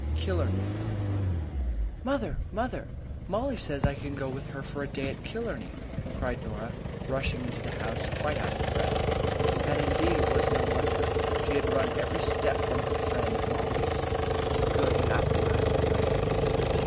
KILLARNEY "MOTHER, mother! Mollie says can I go with her for a day at Killarney?" cried Norah, rushing into the house quite out of breath. And, indeed, it was no wonder. She had run every step from her friend Mollie's, which was a good half mile away.